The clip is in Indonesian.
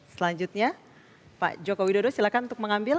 selanjutnya pak joko widodo silakan untuk mengambil